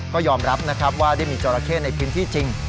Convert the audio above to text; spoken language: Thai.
ก็ยอมรับนะครับว่าได้มีจราเข้ในพื้นที่จริง